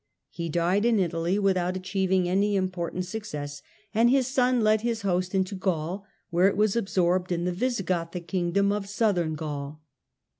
He died in Italy without achieving any important success, and his son led his host into Gaul, where it was absorbed in the Visigothic kingdom of Southern Gaul.